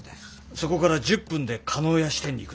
そこから１０分で叶谷支店に行くのは？